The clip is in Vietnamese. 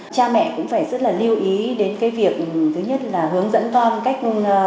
cha mẹ cũng phải rất là lưu ý đến cái việc thứ nhất là hướng dẫn con cách